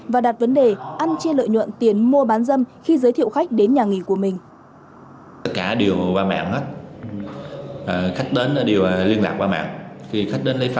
và đặt vấn đề ăn chia lợi nhuận tiền mua bán dâm khi giới thiệu khách đến nhà nghỉ của mình